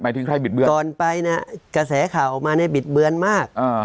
ถึงใครบิดเบือนก่อนไปเนี่ยกระแสข่าวออกมาเนี่ยบิดเบือนมาก